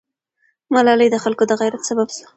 ملالۍ د خلکو د غیرت سبب سوه.